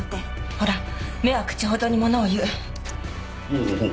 ほら目は口ほどにものを言う。